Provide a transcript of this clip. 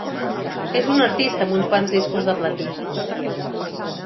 És un artista amb uns quants discos de platí.